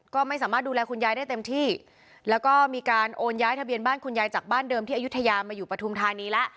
ก็ไม่สามารถดูแลคุณยายได้เต็มที่แล้วก็มีการโอนย้ายทะเบียนบ้านคุณยายจากบ้านเดิมที่อายุทยามาอยู่ปฐุมธานีแล้ว